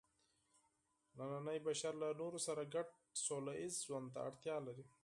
نننی بشر له نورو سره ګډ سوله ییز ژوند ته اړتیا لري.